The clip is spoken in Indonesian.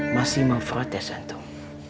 masih mau protes antum